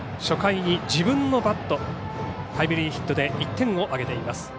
初回に自分のバットでのタイムリーヒットで１点を挙げています。